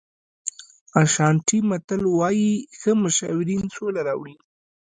اشانټي متل وایي ښه مشاورین سوله راوړي.